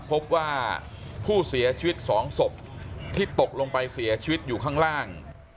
พบว่าผู้เสียชีวิต๒ศพที่ตกลงไปเสียชีวิตอยู่ข้างล่าง